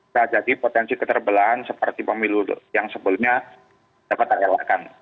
terjadi potensi keterbelahan seperti pemilu yang sebelumnya dapat dikelakkan